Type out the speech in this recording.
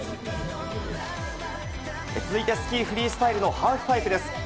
続いてスキーフリースタイルのハーフパイプです。